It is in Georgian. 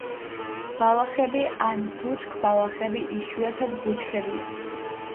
ბალახები ან ბუჩქბალახები, იშვიათად ბუჩქებია.